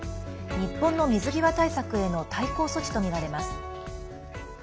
日本の水際対策への対抗措置とみられます。